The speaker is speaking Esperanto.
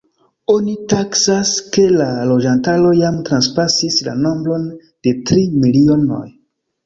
Oni taksas, ke la loĝantaro jam transpasis la nombron de tri milionoj.